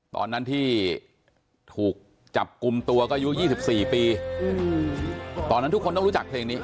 ตอนนั้นที่ถูกจับกลุ่มตัวก็อายุ๒๔ปีตอนนั้นทุกคนต้องรู้จักเพลงนี้